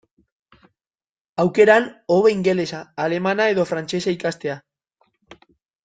Aukeran, hobe ingelesa, alemana edo frantsesa ikastea.